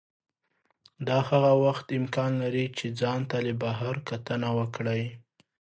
دا هغه وخت امکان لري چې ځان ته له بهر کتنه وکړئ.